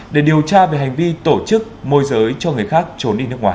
để điều tra về hành vi tổ chức môi giới cho người khác trốn đi nước ngoài